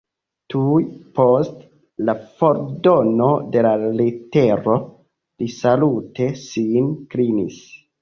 Tuj post la fordono de la letero li salute sin klinis.